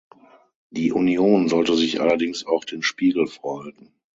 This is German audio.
Die Union sollte sich allerdings auch den Spiegel vorhalten.